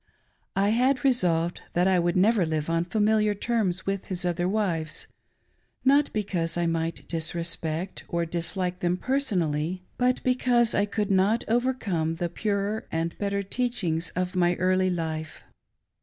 I had resplved that I would never live on familiaf tprms with his other wives^ — not because I might disrespecjt or dislike them personally, but because I could not overcome the purer and better tpacbings of my early life.